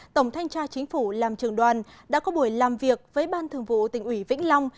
tổng thanh tra chính phủ làm trường đoàn đã có buổi làm việc với ban thường vụ tỉnh ủy vĩnh long